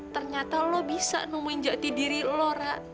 ternyata lo bisa nemuin jati diri lo ra